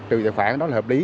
trừ tài khoản đó là hợp lý